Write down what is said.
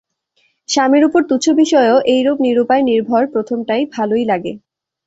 স্বামীর উপর তুচ্ছ বিষয়েও এইরূপ নিরুপায় নির্ভর প্রথমটা ভালোই লাগিত।